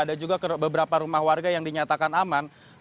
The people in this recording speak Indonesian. ada juga beberapa rumah warga yang dinyatakan aman